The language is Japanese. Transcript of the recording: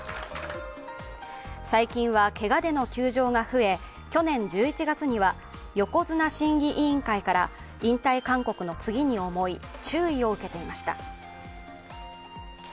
最近は、けがでの休場が増え去年１１月には横綱審議委員会から引退勧告の次に重い注意を受けていました。